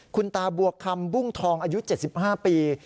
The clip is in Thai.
คุณตาบวกคำบุ้งทองอายุ๗๕ปี